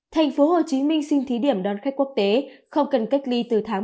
thành phố hồ chí minh xin thí điểm đón khách quốc tế không cần cách ly từ tháng một mươi hai